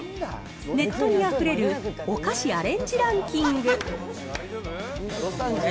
ネットにあふれるおかしアレンジランキング。